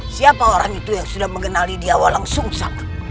siapa orang itu yang sudah mengenali dia walang sung sang